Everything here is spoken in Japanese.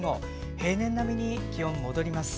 平年並みに、気温戻ります。